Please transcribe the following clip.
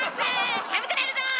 寒くなるぞ！